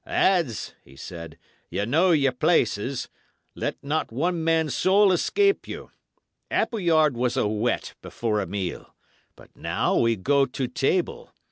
"Lads," he said, "ye know your places. Let not one man's soul escape you. Appleyard was a whet before a meal; but now we go to table.